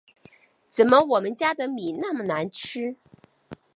怎么我们家的米那么难吃